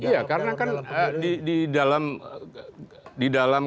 iya karena kan di dalam